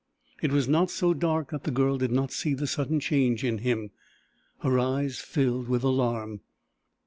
It was not so dark that the Girl did not see the sudden change in him. Her eyes filled with alarm.